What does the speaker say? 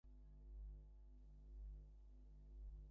তা হলে ভগ্নীপতির আস্পর্ধা আরো বেড়ে যেত।